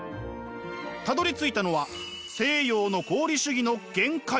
たどりついたのは西洋の合理主義の限界。